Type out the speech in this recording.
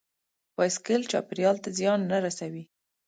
بایسکل چاپېریال ته زیان نه رسوي.